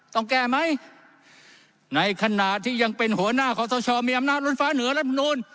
ต้องแก้ไหมในขณะที่ยังเป็นหัวหน้าขอสชมีอำนาจล้นฟ้าเหนือรัฐมนูล